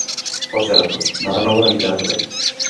Por certo, nada novo na literatura.